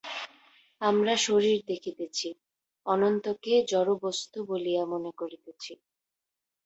আমরা শরীর দেখিতেছি, অনন্তকে জড়বস্তু বলিয়া মনে করিতেছি।